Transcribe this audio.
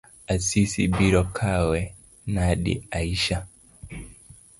Asisi biro kawe nade Aisha?